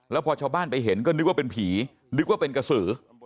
แล้วพอชาวบ้านไปเห็นก็นึกว่าเป็นผีนึกว่าเป็นกระสือ